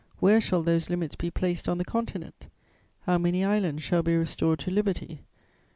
Where shall those limits be placed on the Continent? How many islands shall be restored to liberty?